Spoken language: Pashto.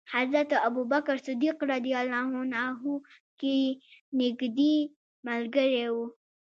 حضرت ابو بکر صدیق یې نېږدې ملګری و.